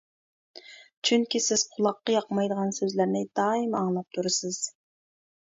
چۈنكى سىز قۇلاققا ياقمايدىغان سۆزلەرنى دائىم ئاڭلاپ تۇرىسىز.